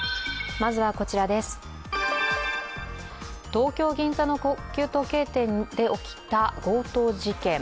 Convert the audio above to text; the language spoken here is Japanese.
東京・銀座の高級時計店で起きた強盗事件。